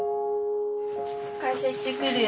会社行ってくるよ。